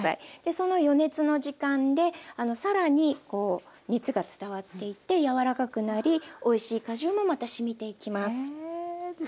その余熱の時間で更に熱が伝わっていって柔らかくなりおいしい果汁もまたしみていきます。